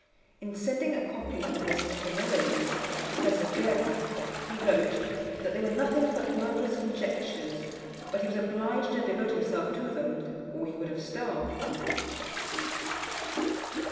In sending a copy of his Ephemerides to Professor Gerlach, he wrote, that they were nothing but worthless conjectures; but he was obliged to devote himself to them, or he would have starved.